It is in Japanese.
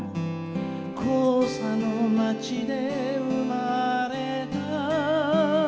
「黄砂の町で生まれた」